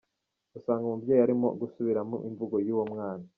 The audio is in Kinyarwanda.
Usanga umubyeyi arimo gusubiramo imvugo y’ uwo mwana.